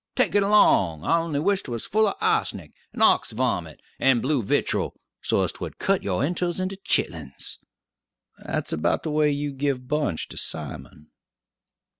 take it along! I only wish 'twas full of a'snic, and ox vomit, and blue vitrul, so as 'twould cut your interls into chitlins!' That's about the way you give Bunch to Simon."